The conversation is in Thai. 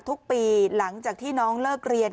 ทุกปีหลังจากที่น้องเลิกเรียน